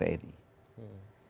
melihat fenomena begitu besar